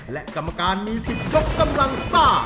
และกรรมการมีสิทธิ์ยกกำลังซ่า